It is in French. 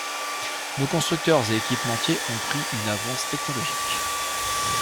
Nos constructeurs et équipementiers ont pris une avance technologique.